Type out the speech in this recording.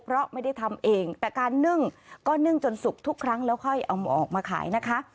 เพราะไม่ได้ทำเองแต่การนึ่งก็นึ่งจนสุกทุกครั้งแล้วค่อยเอาออกมาขายนะคะ